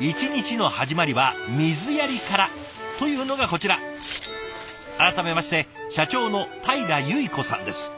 一日の始まりは水やりからというのがこちら改めまして社長のたいら由以子さんです。